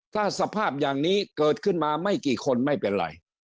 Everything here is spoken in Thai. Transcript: ถ้าสภาพอย่างนี้เกิดขึ้นมาไม่กี่คนไม่เป็นไร